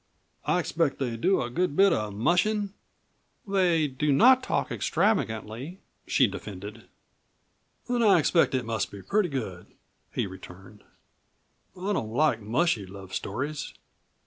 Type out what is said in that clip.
"I expect they do a good bit of mushin'?" "They do not talk extravagantly," she defended. "Then I expect it must be pretty good," he returned. "I don't like mushy love stories."